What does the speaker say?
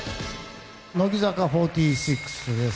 乃木坂４６です。